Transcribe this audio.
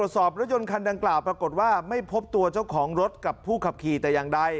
สอบรถยนต์คันดังกล่าวปรากฏว่าไม่พบตัวเจ้าของรถกับผู้ขับขี่แต่อย่างใด